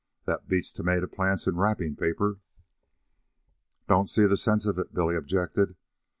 That beats tomato plants in wrapping paper." "Don't see the sense of it," Billy objected.